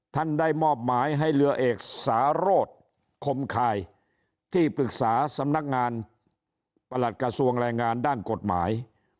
ท่านได้มอบหมายให้เรือเอกสารสธคมคายที่ปรึกษาสำนักงานประหลัดกระทรวงแรงงานด้านกฎหมาย